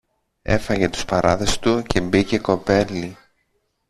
Έφαγε τους παράδες του και μπήκε κοπέλι